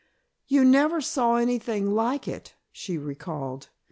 "You never saw anything like it," she recalled.